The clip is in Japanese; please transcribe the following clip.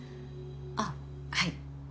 あっはい。